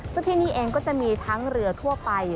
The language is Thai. ซึ่งที่นี่เองก็จะมีทั้งเรือทั่วไป